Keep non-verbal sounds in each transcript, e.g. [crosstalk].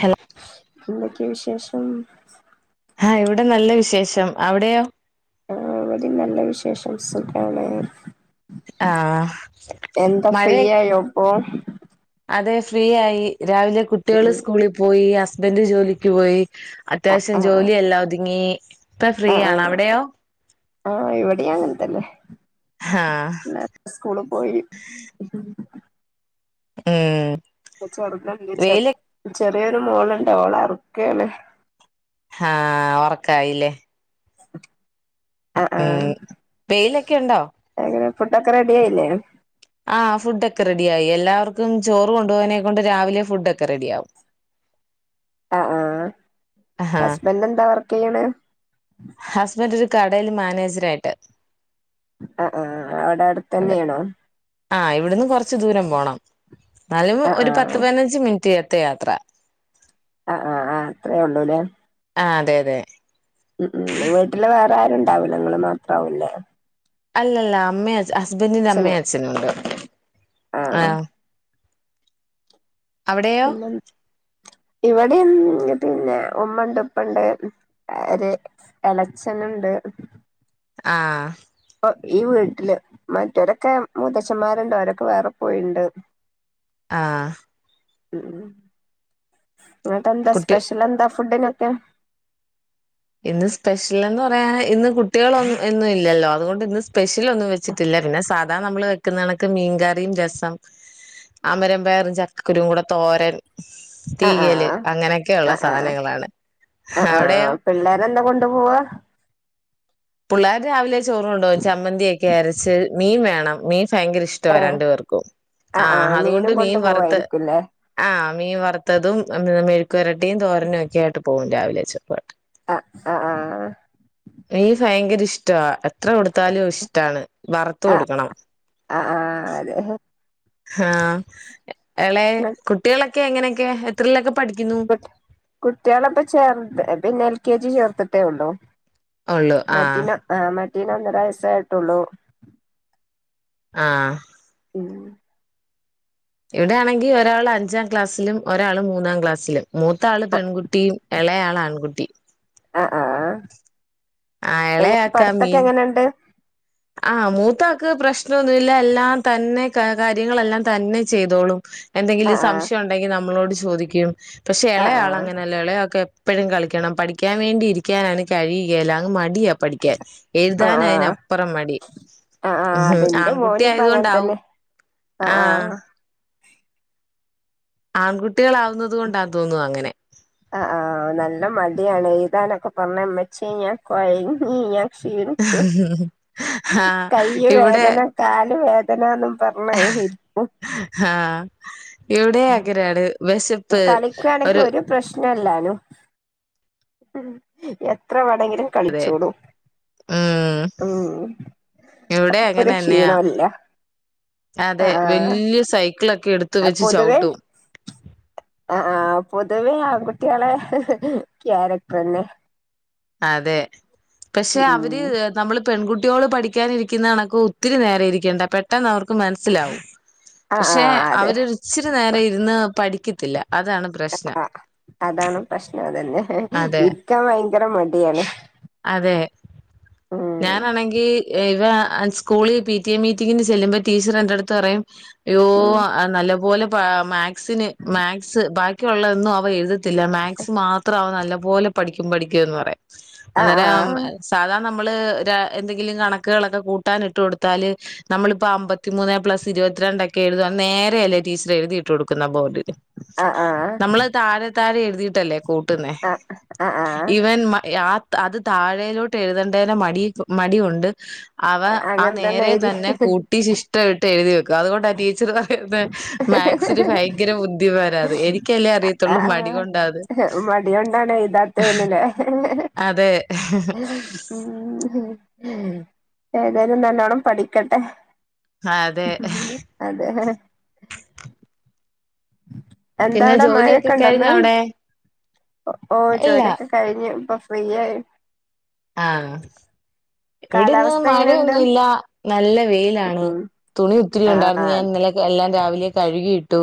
Hello എന്തൊക്കെ വിശേഷ ഉം ആ ഇവിടെ നല്ല വിശേഷം അവിടെയോ ആ ഇവടീം നല്ല വിശേഷം സുഖാണ് ആ എന്താ മഴ ഫ്രീ ആയോ ഇപ്പൊ അതെ ഫ്രീയായി രാവിലെ കുട്ടികള് ഉം സ്കൂളിൽ പോയി ഹസ്- ഹസ്ബൻ്റ് ജോലിക്ക് പോയി ആ അത്യാവശ്യം ആ ജോലിയെല്ലാം ഒതുങ്ങി ഇപ്പൊ ഫ്രീ ആ ആണ് അവിടെയോ ആ ഇവിടെ അങ്ങനത്തന്നെ ആ പിള്ളേര് സ്കൂള് പോയി ഉം നച്ചറച്ച വെയില് [inaudible] ചെറിയൊരു മോളുണ്ട് ഓളെ ഉറക്കാണ് ആ ഉറക്കായില്ലേ [inaudible] ആ ആ ഉം വെയിലൊക്കെ ഉണ്ടോ എങ്ങനെ ഫുഡൊക്കെ റെഡി ആയില്ലേ ആ ഫുഡ് ഒക്കെ റെഡി ആയി എല്ലാവർക്കും ചോറ് കൊണ്ടുപോകാനെ കൊണ്ട് രാവിലെ ഫുഡ് ഒക്കെ റെഡി ആകും ആ ആ ഹസ്ബൻറ് എന്താ വർക്ക് ചെയ്യണ് ഹസ്ബൻ്റ് ഒരു കടയിൽ മാനേജരായിട്ട് ആ ആ അവിടെ അതെ അടുത്തന്നെയാണോ ആ ഇവിടുന്ന് കുറച്ച് ദൂരം പോണം എന്നാലും ആ ആ ഒരു പത്ത് പതിനഞ്ച് മിനിറ്റ് യാത്ര ആ ആ ആ അത്രയേ ഉള്ളൂലേ ആ അതെ അതെ ഉം ഉം വീട്ടില് വേറെ ആരുണ്ടാവില്ല നിങ്ങള് മാത്രാവുല്ലേ അല്ല അല്ല അമ്മേം അച്- ഹസ്ബൻ്റിന്റെ അമ്മയും അച്ഛനും ഉണ്ട് ആ അവിടെയോ ഇവിടെ ഉം പിന്നെ ഉമ്മണ്ട് ഉപ്പണ്ട് ഒരു എളച്ചനുണ്ട് ആഹ് ഇപ്പൊ ഈ വീട്ടില് മറ്റൊരൊക്കെ മുത്തച്ഛന്മാരുണ്ട് അവരൊക്കെ വേറെ പോയിണ്ട് ആഹ് ഉം ഇങ്ങട്ടെന്താ കുട്ടി സ്പെഷ്യൽ എന്താ ഫുഡിനൊക്കെ ഇന്ന് സ്പെഷ്യൽ എന്ന് പറയാൻ ഇന്ന് കുട്ടികളൊന്നും ഒന്നും ഇല്ലല്ലോ അതുകൊണ്ട് ഇന്ന് സ്പെഷ്യൽ ഒന്നും വെച്ചിട്ടില്ല പിന്നെ സാധാ നമ്മള് വെക്കുന്ന കണക്ക് മീൻകറിയും രസം അമരം പയറ് ചക്കക്കുരുവും കൂടെ തോരൻ ആഹ് തീയല് ആഹ് അങ്ങനെയൊക്കെയുള്ള ആഹ് ആഹ് സാധനങ്ങളാണ് അവിടെയോ ഇതെന്നെ കൊണ്ടു പോവാ പിള്ളേർ രാവിലെ ചോറ് കൊണ്ടോവും ചമ്മന്തി കാരറ്റ് മീൻ വേണം മീൻ ഭയങ്കര ഇഷ്ടവാ ഏഹ് രണ്ടു പേർക്കും ആഹ് ആഹ ആഹ് അതുകൊണ്ട് മീനും കൊണ്ടു മീൻ വറുത്ത പോവായിരിക്കുംല്ലേ ആ മീൻ വറുത്തതും മെഴു രട്ടിയും തോരനും ഒക്കെ ആട്ടു പോവും രാവിലെ ച ആഹ് ആഹ് ആഹ് മീൻ ഭയങ്കര ഇഷ്ടവാ എത്ര കൊടുത്താലും ഇഷ്ടമാണ് വറുത്ത് ആഹ് കൊടുക്കണം ആഹ് ആഹ് അതെ ആഹ് അളെ കുട്ടികളൊ ക്കെ എങ്ങനെക്കയാ എത്രയിലൊക്കെ കുട്ടികളൊക്കെ ചെറുത്‌ പിന്നെ എൽ കെ ജിയിൽ ചേർ ത്തിട്ടേ ഉള്ളൂ ഉള്ളു ആഹ് മറ്റിന ആ മ റ്റേന് ഒന്നര വയസ്സ് ആയിട്ടുള്ളൂ ആഹ് ഉം ഇവിടെയാണെങ്കിൽ ഒരാൾ അഞ്ചാം ക്ലാസ്സിലും ഒരാള് മൂന്നാം ക്ലാസ്സിലും മൂത്ത ആള് പെൺകുട്ടിയും ഇളയാള് ആൺകുട്ടിയും ആഹ് ആഹ് ആഹ് ആഹ് എന്നിട്ട് എളയാക്കാ പഠിത്തം ഒക്കെ എങ്ങനെയുണ്ട് ആ മൂത്ത ആക്ക് പ്രശ്നം ഒന്നുമില്ല എല്ലാം തന്നെ കാര്യങ്ങളെല്ലാം തന്നെ ചെയ്തോളും എന്തെങ്കിലും ആഹ് സംശയം ഉണ്ടെങ്കിൽ നമ്മളോട് ചോ ചോദിക്കും പക്ഷേ ആഹ് എളേയാള് ആഹ് അങ്ങനല്ല എളേയാക്ക് എപ് എപ്പോഴും കളിക്കണം പഠിക്കാൻ വേണ്ടിയിരിക്കാനാണ് കഴിയുകല്ലങ് മ ടിയാ പഠിക്കാൻ ആഹ് ആഹ് ആഹ് എഴുതാൻ അയിനാ ആഹ് അപ്പുറം മടി ആഹ് മ് മ് അതിന്റെ മോനിപ്പ അങ്ങനെ ആൺകുട്ടിയായതുകൊണ്ടാവും തന്നെ ആഹ് ആഹ ആഹ് ആഗുട്ട കുട്ടികളാവുന്നത് കൊണ്ടാ തോന്നുന്നു അങ്ങനെ എയാണ് എഴതാനൊക്കെ [unintelligible] വെച്ച് ഴിഞ്ഞാൽ [unintelligible] ക്ഷീണിച്ച് ആഹ് കൈ ഇവിടെ വേദന കാല് വേ [unintelligible] പറണ ഇഹ് ആഹ ഇവിടെയും അങ്ങനെയാണ് വിശപ്പ് കളിക്കാണെങ്കി ഒരു പ്രശ്നല്ലാനും എത്ര വ അതെ മ് ഉം ഇവിടെ ഒരു അങ്ങനെന്നയാ ക്ഷീണോല്ല അതെ വലിയ സൈക്കിളൊ ആ പൊതുവെ അ ആഹ് പൊതുവേ ആൺകുട്ടികളെ ക്യാരക്ടർന്നെ അതെ പക്ഷെ അവര് ഉം നമ്മള് പെൺകുട്ടികോള് പഠിക്കാനിരിക്കുന്ന കണക്കു ഒത്തിരി നേരം ഇരിക്കേണ്ട പെട്ടെന്ന് അവർക്ക് മനസ്സിലാവും. ആഹ് പക്ഷെ ആഹ് അതെ അവര് രുച്ചിരി നേരം ഇരുന്ന് പഠി [unintelligible] അ ആ അതാണ് പ്രശ്നം അതന്നെ അതെ ഇപ്പ ങ്കര മടിയാണ് അതെ ഉം ഞാനാണെങ്കി ഇവ സ്കൂളി പി ടി എ മീറ്റിങ്ങിന് ചെല്ലുബം ടീച്ചർ എന്റെടുത്ത് പറയും യ്യോ ഉം ആ നല്ല പോലെ പാ മാത്‍സ്ന് മാത്‍സ് ബാക്കിയുള്ളതൊന്നും അവ എഴുത് ത്തില്ല മാത്‍സ് മാത്രം അവന്നല്ല പോലെ പഠിക്കും പഠിക്കുംന്ന് പറയാം അന്നേരം ആഹ് അ സാധാ നമ്മള് ദാ എന്തെങ്കിലും കണക്കുകളൊക്കെ കൂട്ടാൻ ഇട്ടു കൊടുത്താല് നമ്മളിപ്പോ അമ്പത്തിമൂന്നേ പ്ലസ് ഇരുപത്തിരണ്ട എക്കെ എഴുതാൻ നേരെയല്ലേ ടീച്ചറെ എഴുതിട്ടുകൊടു [unintelligible] ആഹ് ആഹ് നമ്മള് താഴെ താഴെ എഴുതിയിട്ടല്ലേ കൂട്ടുന്നെ ആഹ് ആഹ് ആഹ് ആഹ് ഇവൻ ത അത് താഴയിലോട്ട് എഴുതേണ്ടേന് മടി ഒ മടിയുണ്ട് അവ ആ അങ്ങൻ നേരെ എഴുതി തന്നെ കൂട്ടി ശിഷ്ട ഇട്ട് എഴുതി വെ കതുകൊണ്ടാ ടീച്ചറ് വാ മാക്സിനു ഭയങ്കര ബുദ്ധിമാനാന്ന് എനിക്കല്ലേ അറിയത്തുള്ളൂ ആഹ് ആഹ് മടികൊണ്ടാന്നു മടികൊണ്ടാണ് അതെ ഉം ഉം ഉം ഉ ഏതായാലും നല്ലോണ്ണം പഠിക്കട്ടെ അതെ അതെ എന്താ പിന്നെ അവിടെ ജോലിയൊക്കെ മഴൊക്കെ കഴിഞ്ഞോ ഉണ്ടന്ന് അവിടെ ഓ ഇല്ല ജോലിയൊക്കെ കഴിഞ്ഞു ഇപ്പൊ [unintelligible] ആഹ ഇവിടെന്ന് കാലാവസ്ഥ എങ്ങനെയുണ്ട് മഴയൊന്നുമില്ല നല്ല വെയിലാണ് ഉം തുണി ഒത്തിരി ആഹ് ഉണ്ടായിരുന്നു ഞാൻ ഇന്നലെ എല്ലാം രാവില കഴുകിയിട്ടു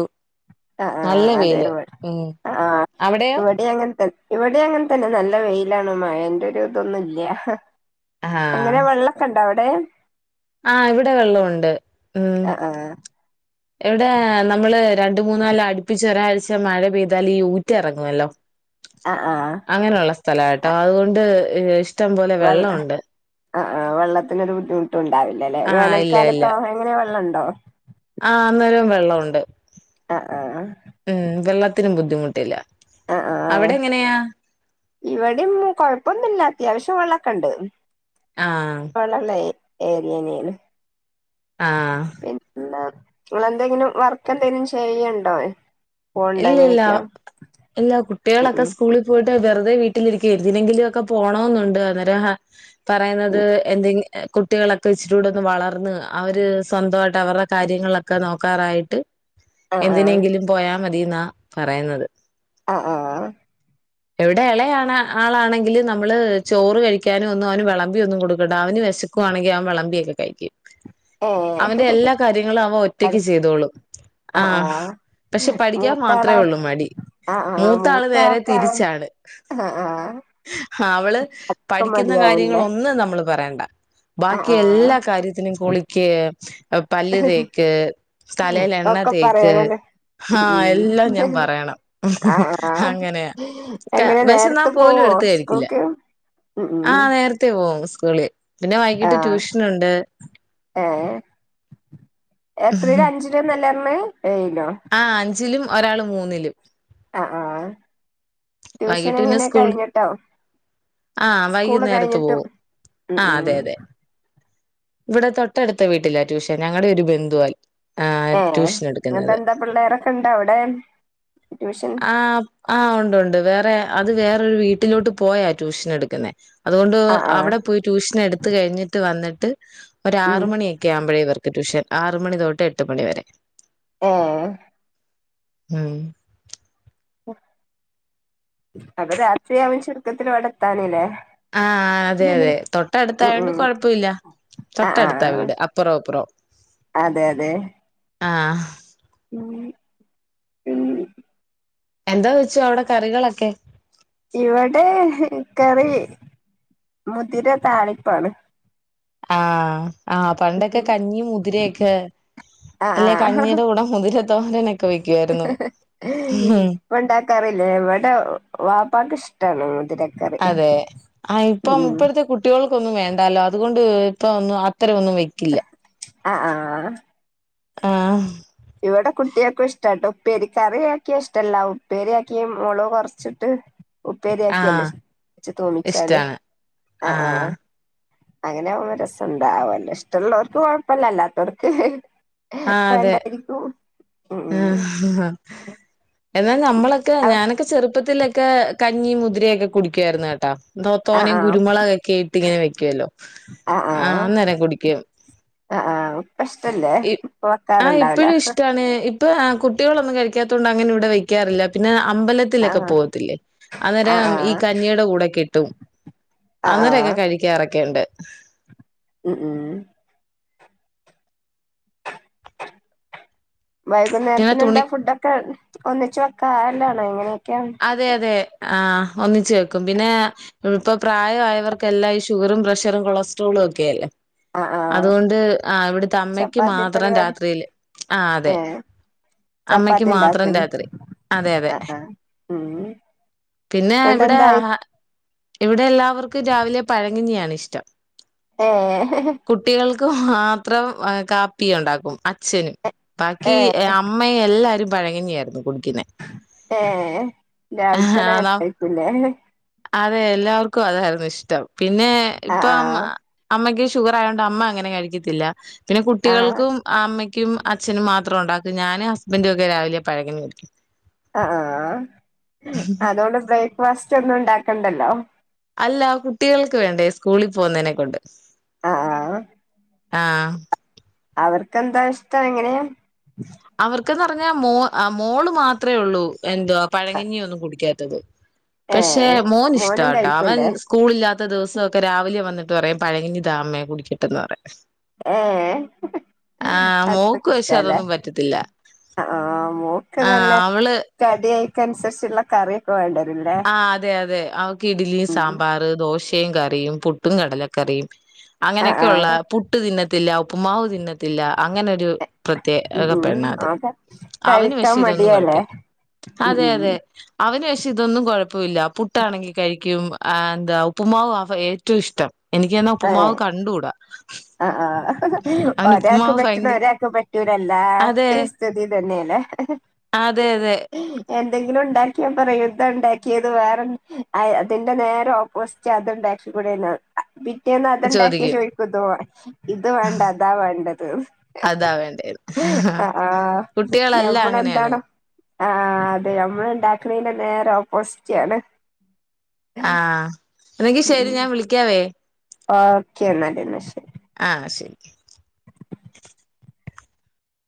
ആ ആ നല്ല ആ അതെ വെയില് വിട് ഉം ആ അവിടെയോ വിടേ അങ്ങനത്തൻ ഇവിടേ അങ്ങനെത്തന്നെ നല്ല വെയിലാണ് മഴേന്റെ ഒരു ഇതൊന്നുംല്ല്യ. എങ്ങനെ വെള്ളക്കെണ്ടോ അവിടെ? ആ ഇവിടെ വെള്ളം ഒണ്ട് ഉം ആഹ് ഇവിടെ നമ്മള് രണ്ട്മൂന്നാല് അടുപ്പിച്ചൊരാഴ്ച മഴ പെയ്താലീ ഊറ്റെറങ്ങുവല്ലോ. ആഹ് ആഹ് ആഹ് അങ്ങനെയുള്ള സ്ഥലാ കെട്ടോ അ അതുകൊണ്ട് [unintelligible] ഷ്ടം പോലെ വെള്ളംഒണ്ട്. ആ ആ വെള്ളത്തിനൊരു ബുദ്ധിമുട് ട്ടും ഉണ്ടാവില്ലല്ലേ? ആഹ് വേനൽക്കാലത്തോ എങ്ങനെയ വെള്ളം ഒണ്ട് ണ്ടോ. ആ അന്നേരോം വെള്ളംഒണ്ട്. ആഹ് ആഹ് ഉം വെള്ളത്തിനും ബുദ്ധിമുട് ട്ടില്ല. അവിടെങ്ങനെയാ? ഇവിടേം കൊഴപ്പൊന്നുല്ലത്യാവശ്യം വെള്ളഒക്കെ ഒണ്ട്. ആഹ് വള്ളല്ലേ? എങ്ങനേലും. ആ ങ്ങളെന്തെങ്കിലും വർക്ക് എന്തെങ്കിലും ചെയ്യണ്ടോ? ഇല്ലില്ല ഇല്ല ഉം കുട്ടികളൊക്കെ സ്കൂളിപോയിട്. പ്പ വെറുതെ വീട്ടിലിരിക്കുകയല്ലേന്തിനെങ്കിലും ഒക്കെ പോണോന്നുണ്ട് അന്നരം പറയുന്നത് ഉം എന്തെ കുട്ടികളൊക്കെ ഇച്ചിരൂടെ ഒന്ന് വളർന്ന് അവര് സ്വന്തവായിട്ട് അവരുടെ കാര്യങ്ങളിലൊക്കെ നോക്കാറായിട്ട് ആഹ് ആഹ് എന്തിനെങ്കിലും പോയാ മതിന്നാ പറയുന്നത്. ആ ആ ഇവിടെ ഇളയവന് ആളാണെങ്കില് നമ്മള് ചോറ് കഴിക്കാനും ഒന്നും അവന് വെളമ്പിയൊന്നും കൊടുക്കണ്ട അവന് വിശക്കുവാണെങ്കിൽ അവൻ വെളമ്പിയൊക്കെ കഴിക്കും. അവന്റെ എല്ലാ ഏഹ് കാര്യങ്ങളും അവ ഒറ്റക്ക് ചെയ്തോളും, ആ, പക്ഷെ പഠിക്കാൻ മാത്രേ മൂത്താളാ ഒള്ളൂ മടി, ആ ആ മൂത്ത ആള് നേരെ മൂത്താക്കാ തിരിച്ചാണ്, ആ ആ അവള് ഒക്കെ പഠിക്കുന്ന മടിയാവൂല്ലേ കാര്യങ്ങളൊന്നും നമ്മള് പറയൻ അ ആ ബാക്കി ആ എല്ലാ കാര്യത്തിനും കുളിക്ക് പല്ല് തേക്ക് തലേലെണ്ണ ഒക്കെ തേക്ക് പറയണല്ലേ ആ ഉം എല്ലാം ഞാൻ ഉം പറയണം ആ ആ അങ്ങനെയ. എങ്ങനെ വെശന്നാ നേരത്തെ പോലും പോവോ എടുത്ത് കഴിക്കില്ല സ്കൂൾക്ക് ഉം ഉം ആ നേരത്തേ പോകും. കുളി ആ ഏ എത്രയ അഞ്ചരേനല്ലേ? മ് ആ അഞ്ജിലും ഒരാള് മൂന്നിലും ആഹ് ആഹ് ട്യൂഷൻ വൈകിട്ട് പിന്നെ എങ്ങനെ സ്കൂൾ കഴിഞ്ഞിട്ടോ ആ സ്കൂള് വൈകുന്നേരത്ത് കഴിഞ്ഞിട്ടും പോവും ഉം ആ അതെ ഉം അതെ ഇവിടെ തൊട്ടടുത്ത വീട്ടിലാ ട്യൂഷൻ ഞങ്ങടെ ഒരു ബന്ധുവ ഏ ഇങ്ങനത്തെ എന്താ പിള്ളേരൊക്കെ ഉണ്ടോ അവിടെ ട്യൂഷൻ ആ ആ ഉണ്ട് ഉണ്ട് വേറെ അത് വേറൊരു വീട്ടിലോട്ട് പോയാ ട്യൂഷൻ എടുക്കുന്നേ അതുകൊണ്ട് ആ ആ അവിടെ പോയി ട്യൂഷൻ എടുത്ത് കഴിഞ്ഞിട്ട് വന്നി ഉം ഒരാറു മണിയൊക്കെ ആവുമ്പോഴാ ഇവർക്ക് ട്യൂഷൻ ആറ് മണി തോട്ട് എട്ട് മണിവരെ ആഹ് ഉം അപ്പൊ രാത്രിയാവും ചുരുക്കത്തിൽ ഇവിടെ എത്താനല്ലേ ആഹ് അതെ അതെ ഉം തൊട്ടടുത്തായൊണ്ട് ഉം കൊഴപ്പമില്ല ആ ആ തൊട്ടടുത്താ വീട് അപ്പുറോം അപ്പുറോം അതെ അതെ ആഹ് ഉം ഉം എന്താ വെച്ചു അവിടെ കറികളൊക്കെ ഇവിടെ കറി മുതിര താളിപ്പാണ് ആഹ് ആഹ് പണ്ടൊക്കെ കഞ്ഞി മുതിരൊക്കെ അല്ലെ കഞ്ഞീടെ കൂടെ മുതിര തോര വണ്ടാ റില്ലേ എവിടെ വാപ്പക്ക് ഇഷ്ടാണ് മുതിരക്കറി അതെ ആഹ് ഇപ്പം ഉം ഇപ്പഴത്തെ കുട്ടികൾക്ക് ഒന്നും വേണ്ടല്ലോ അതുകൊണ്ട് ഇപ്പം ഒന്നും അ അത്രൊന്നും വെക്കില്ല അ ആഹാ അ ഇവിടെ കുട്ടികൾക്കും ഇഷ്ടാട്ടോ ഉപ്പേരി കറിയക്കിയ ഇഷ്ടല്ല ഉപ്പേരിയാക്കി മുളക് കുറച്ചിട്ട് ഉപ്പേരിയാക്കിയല്ലോ ആഹ് വച്ച്‌ തോമിച്ചാല് ഇഷ്ടാണ് ആഹ് ആഹ് അങ്ങനാകുമ്പ രസണ്ടാവല്ലോ ഇഷ്ടള്ളോർക്ക് കൊഴപ്പല്ല അല്ലാത്തവർക്ക് ആഹ് അതെ ഉം ആഹ്ഹ് എന്നാൽ നമ്മളൊക്കെ ആഹ് ഞാനൊക്കെ ചെറുപ്പത്തിൽ കഞ്ഞി മുതിരയൊക്കെ കുടിക്കുവായിരുന്നു കേട്ടാ ന്തോ ആഹ് തോനയും ആഹ് കുരുമുളകൊക്കെ ഇട്ട് ഇങ്ങനെ വെക്കുവല്ലോ ആ ആഹ് അന്നേരെ കുടിക്കും ആഹ് ആഹ് ഇപ്പ ഇഷ്ടല്ലേ ഇപ്പ ആഹ വെക്കാറുണ്ടാവൂല ഇപ്പോഴും ഇഷ്ടാണ് ഇപ്പ കുട്ടികളൊന്നും കഴിക്കാത്ത കൊണ്ട് അങ്ങനെ ഇവിടെ വെക്കാറില്ല പിന്നെ അമ്പലത്തിലൊക്കെ ആഹ് പോകത്തില്ലേ ആഹ് അന്നേരം ഈ ആഹ് കഞ്ഞിയുടെ കൂടെക്കെ ഇട്ടും ആഹ് അന്നേരൊക്കെ കഴിക്കാറക്കെ ഒക്കെയണ്ട് ഉ ഉം പിന്നെ വൈകുന്നേരത്തിന് തുണി എന്താ ഫുഡൊക്കെ ഒന്നിച്ചു വെക്കാറല്ലാണോ എങ്ങനെ അതെ അതെ ആ ഒന്നിച്ചു വെക്കും പിന്നെ ഇപ്പൊ പ്രായമായവർക്കെല്ലാം ഈ ഷുഗറും പ്രഷറും കൊളസ്ട്രോളും ഒക്കെയല്ലേ ആഹ് ആഹ് അതുകൊണ്ട് ആ ഇവിടുത്തെ അമ്മക്ക് ചപ്പാത്തി മാത്രം പരിപാടി രാത്രിയില് ആ അതെ ഏഹ് അമ്മക്ക് ചപ്പാത്തി മാത്രം ഇണ്ടാക്കും രാത്രി അതെ അതെ ആഹ് ആഹ് ഉം പിന്നെ ഇവിടെ എന്നിട്ടെന്തായി ആഹ ഇവിടെ എല്ലാവർക്കും രാവിലെ പഴങ്ങഞ്ഞിയാണ് ഇഷ്ടം ന ആഹ മാത്രം കാപ്പി ഉണ്ടാക്കും അച്ഛനും ബാക്കി ഏഹ് അമ്മെ എല്ലാരും പഴങ്ങിയായിരുന്നു ഏ ഇല്ല അവ തന നം ആക്കല്ലേ അതെ എല്ലാവർക്കും അതായിരുന്നു ഇഷ്ടം പിന്നെ ഇപ്പ ആഹ് ആഹ് അമ്മക്ക് ഷുഗർ ആയൊണ്ട് അമ്മ അങ്ങനെ കഴിക്കത്തില്ല പിന്നെ ആഹ് കുട്ടികൾക്കും അമ്മ അച്ഛനും മാത്രം ഉണ്ടാക്ക ഞാനും ഹസ്ബൻഡറും ഒക്കെ രാവിലെ പഴകി വിടിക്കും ആ ആ അതോണ്ട് ബ്രേക്ക്ഫാസ്റ്റ് ച്ച് ഒന്നും ഉണ്ടാക്കണ്ടല്ലോ അല്ല കുട്ടികൾക്ക് വേണ്ടേ സ്കൂളിൽ പോന്നെനെ കൊണ്ട് ആ ആഹ് ആ അവർക്ക്ന്താ ഇഷ്ടം എങ്ങനെയാ അവർക്കന്ന് പറഞ്ഞാൽ മോ ആ മോള് മാത്രമേ ഉള്ളൂ എന്തുവാ പഴങ്ങഞ്ഞി ഒന്നും കുടിക്കാ റ്റത് പക്ഷെ ഏഹ് മോൻ മോനും ഇഷ്ടട്ടോ അവൻ കഴിക്കൂല്ലേ സ്കൂളില്ലാത്ത ദിവസഓക്കെ രാവിലെയും വന്നി എന്നിട്ട് പറയും പഴകഞ്ഞി താമേ കുടിക്കെട്ട എന്ന് പറയു ഏ ആഹ് അത്ക്ക മോക്ക് പക്ഷെ ഇഷ്ടല്ലേ അതൊന്നും പറ്റത്തില്ല ആ മോക്ക് ആഹ് തല്ലെ അവള് കടി ഐറ്റെംസ് അനുസരിച്ചുള്ള കറി വേണ്ടേ ആ അതെ അതെ അവക്ക് ഇഡ്ലി ഉം സാമ്പാർ ദോശ കപ്പയും കറിയും പുട്ടും കടലക്കറിയും ആഹ് അങ്ങനെയൊക്കെയള്ള ആഹ് പുട്ടുതിന്ന ത്തില്ല ഉപ്പ്മാവ് തിന്നത്തില്ല അങ്ങനൊരു പ്രത്യേക ഉം ഉം പെണ്ണ അത് അതെ അവന് പശേ കഴിക്കാൻ ഇതൊന്നും മടിയാല്ലേ കുഴപ്പില്ല ഉം അതെ ഉം അതെ അവന് പാ അതൊന്നും കോഴ പ്പുല്ല പുട്ടാണെങ്കിൽ കഴിക്കും ആ എന്ത ഉപ്പ്മാവ് അവ ഏറ്റൊ ഇഷ്ടം എനിക്ക് ന്നാ ഉപ്പ്മാവ് കണ്ടുടാ ആ ആ ഒരാക്ക് പറ്റുന്ന ഭയങ്കര ഒരാക്ക് പറ്റൂല്ലാല്ലാ അതെ എല്ലാതേസ്ഥിതിതന്നെയല്ലേ അതെ അതെ എ എന്തെങ്കിലും ഉണ്ടാക്കിയ പറ യുദ്ധം ഉണ്ടാക്കിയത് വേറെ അതിന്റെ നേരെം ഓപ്പോസിറ്റ് അത്ണ്ടാക്കി കൂടെന്ന പിറ്റേന്ന് അത്ണ്ടാക്കിയ ചോദിക്കും. ചോദിക്കുഇത് പറയും ഇത് വേണ്ട അതാ വേണ്ടതന്ന് അതാ വേണ്ടേന്ന്. ആ കുട്ടികളെല്ലാം ഞമ്മടെ അങ്ങനെയാണ്. എന്താണ് ആ അതെ നമ്മള് ഉണ്ടാക്കണല്ല നേരെ ഓപ്പോസിറ്റ ആണ് ആ എന്നെങ്കി ശരി ഉം ഞാൻ വിളിക്കാവേ ഓക്കെ എന്നല്ല് എന്നശരി ആ ശരി